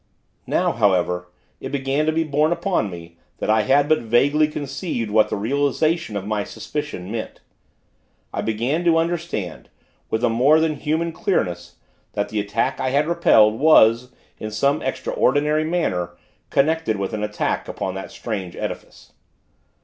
Now, however, it began to be borne upon me, that I had but vaguely conceived what the realization of my suspicion meant. I began to understand, with a more than human clearness, that the attack I had repelled, was, in some extraordinary manner, connected with an attack upon that strange edifice.